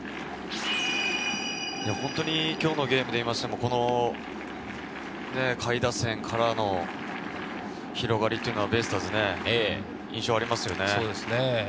今日のゲームでいうと、下位打線からの広がりというのが、ベイスターズ、印象がありますね。